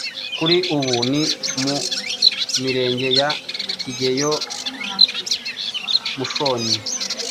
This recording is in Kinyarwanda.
kuri ubu ni mu Mirenge ya Kigeyo, Mushonyi,